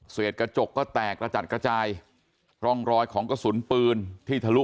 เสร็จกระจกก็แตกกระจัดกระจายร่องรอยของกระสุนปืนที่ทะลุ